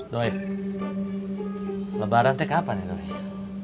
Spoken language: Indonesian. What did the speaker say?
doi lebaran itu kapan ya